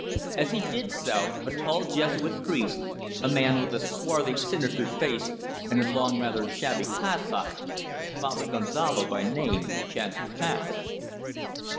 As he did so a tall Jesuit priest, a man with a swarthy, sinister face and a long, rather shabby cassock Father Gonzalo by name chanced to pass.